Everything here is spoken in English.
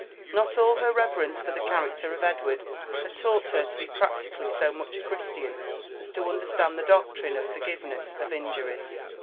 Not all her reverence for the character of Edwar<) had taught her to be practically so much a Christian as to understand the doctrine of forgiveness of injuries.